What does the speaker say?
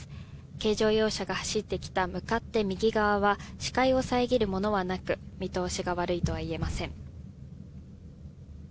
軽乗用車が走ってきた向かって右側は視界を遮るものはなく見通しが悪いとは言えません。